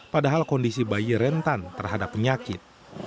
padahal kondisi bayi rentan terhadap penyakit